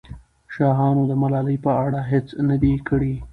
شاهانو د ملالۍ په اړه هېڅ نه دي کړي.